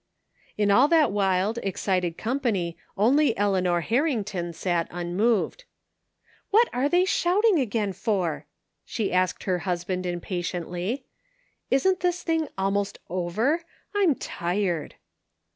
In all that wild, excited company only Eleanor Harrington sat unmoved. ^* What are they shouting again for ?" she asked her husband impatiently. " Isn't this thing almost over? I'm tired."